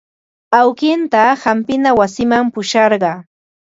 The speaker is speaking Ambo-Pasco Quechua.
Awkiitan hampina wasiman pusharqaa.